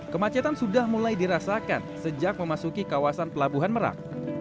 kemacetan sudah mulai dirasakan sejak memasuki kawasan pelabuhan merak